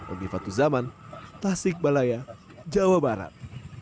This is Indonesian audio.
ogi fatuzaman tasik balaya jawa barat